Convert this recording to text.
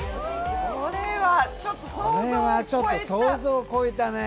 これはちょっと想像を超えたね。